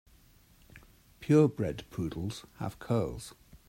Pure bred poodles have curls.